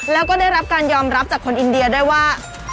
แล้วก็ได้รับการยอมรับจากคนอินเดียด้วยว่า